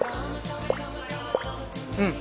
うん。